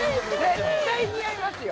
絶対似合いますよ。